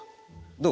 どう？